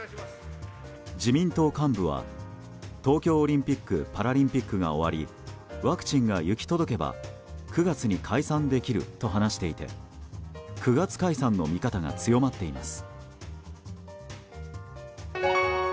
自民党幹部は東京オリンピック・パラリンピックが終わりワクチンが行き届けば９月に解散できると話していて９月解散の見方が強まっています。